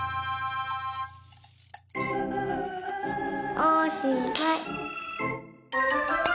おしまい！